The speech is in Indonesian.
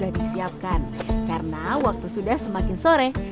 proses membuat nasi liwet